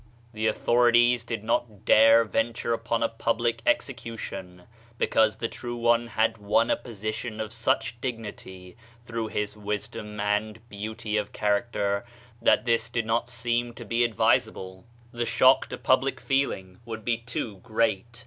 The authorities 30 THE SHINING PATHWAY did not dare venture upon a public execution, because the True One had won a position of such dignity, through his wisdom and beauty of character, that this did not seem to be ad visable, the shock to public feeling would be too great.